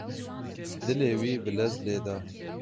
Dilê wî bi lez lê da.